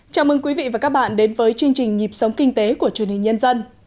chào mừng quý vị và các bạn đến với chương trình nhịp sống kinh tế của truyền hình nhân dân